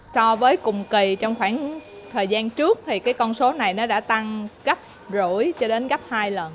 so với cùng kỳ trong khoảng thời gian trước thì cái con số này nó đã tăng gấp rưỡi cho đến gấp hai lần